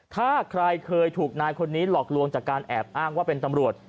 ถ้าใครเคยถูกนายคนนี้หลอกลวงจากการแอบอ้างว่าเป็นตำรวจ